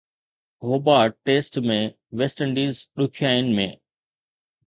Hobart test ۾ West Indies ڏکيائين ۾